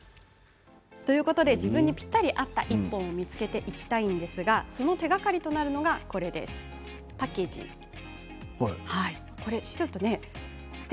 自分にぴったり合った１本を見つけていきたいんですがその手がかりとなるのがパッケージです。